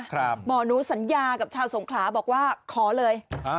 ครับหมอนุสัญญากับชาวสงคราบอกว่าขอเลยอ่า